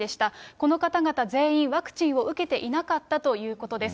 この方々全員、ワクチンを受けていなかったということです。